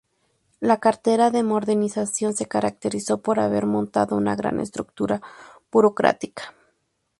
La cartera de Modernización se caracterizó por haber montado una gran estructura burocrática.